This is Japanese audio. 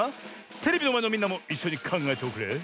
テレビのまえのみんなもいっしょにかんがえておくれ。